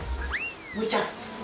むぅちゃん。